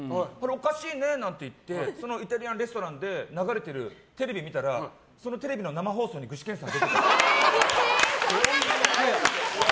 おかしいねなんて言ってイタリアンレストランで流れてるテレビ見たらそのテレビの生放送に具志堅さんが出てたの。